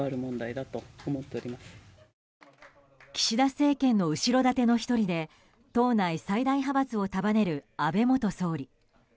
岸田政権の後ろ盾の１人で党内最大派閥を束ねる安倍元総理。